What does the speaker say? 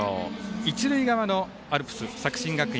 一塁側のアルプス、作新学院